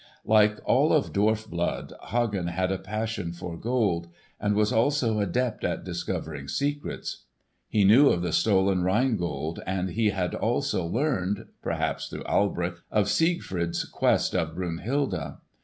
Like all of dwarf blood, Hagen had a passion for gold, and was also adept at discovering secrets. He knew of the stolen Rhine Gold; and he had also learned—perhaps through Alberich—of Siegfried's quest of Brunhilde.